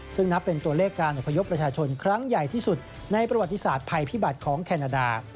ซึ่งนับเป็นตัวเลขการอพยพประชาชนครั้งใหญ่ที่สุดในประวัติศาสตร์ภัยพิบัติของแคนาดา